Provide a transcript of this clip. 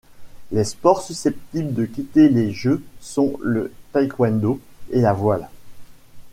Les sports susceptibles de quitter les jeux sont le taekwondo et la voile.